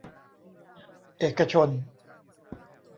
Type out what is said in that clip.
เอกชน